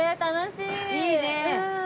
いいね。